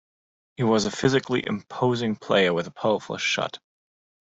He was a physically imposing player with a powerful shot.